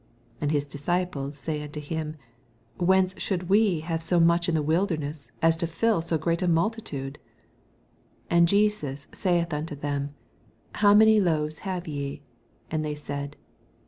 88 And his disciples say unto him, Whence should we have so much bread in the wilderness, aa to fill so great a multitude ? 84 And Jesus aaith unto them, How many loaves have ye ? And they said.